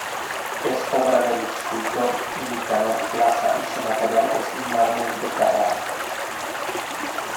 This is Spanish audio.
Es obra del escultor Nicanor Plaza y su material es mármol de Carrara.